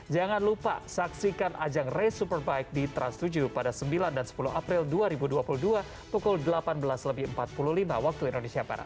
jangan lupa saksikan ajang race superbike di trans tujuh pada sembilan dan sepuluh april dua ribu dua puluh dua pukul delapan belas lebih empat puluh lima waktu indonesia barat